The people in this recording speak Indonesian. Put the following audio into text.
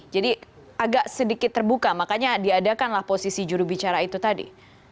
jadi agak sedikit terbuka makanya diadakanlah posisi jurubicara itu tadi